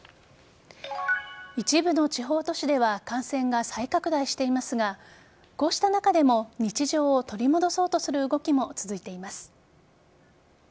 一部の地方都市では感染が再拡大していますがこうした中でも日常を取り戻そうとする動きも続いています。